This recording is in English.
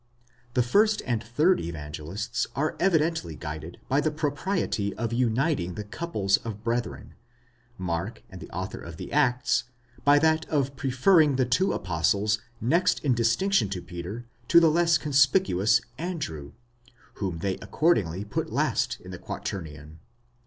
327 The first and third Evangelists are evidently guided by the propriety of uniting the couples of brethren; Mark and the author of the Acts, by that of preferring the two apostles next in distinction to Peter to the less conspicuous Andrew, whom they accordingly put last in the quaternion.